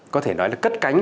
có thể nói là cất cánh